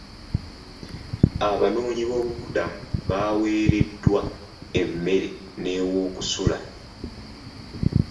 Abanoonyi b'obubudamu baawereddwa emmere n'ewokusula.